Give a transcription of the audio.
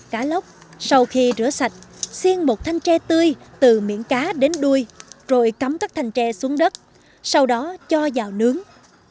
cá lóc sau khi rửa sạch xiên một thanh tre tươi từ miễn cá đến đuôi rồi cắm tất thanh tre xuống đất sau đó cho vào nướng